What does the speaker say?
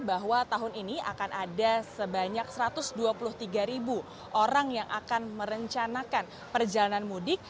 bahwa tahun ini akan ada sebanyak satu ratus dua puluh tiga ribu orang yang akan merencanakan perjalanan mudik